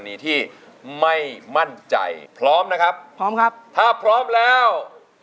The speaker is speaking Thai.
น้องต้ามจะเอาไปทำอะไรกันดี